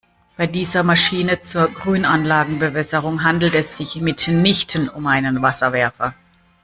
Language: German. Bei dieser Maschine zur Grünanlagenbewässerung handelt es sich mitnichten um einen Wasserwerfer.